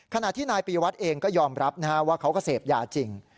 ขณะที่นายปียวัตรเองก็ยอมรับว่าเขาก็เสพยาจริง